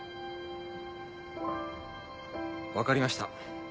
分かりました。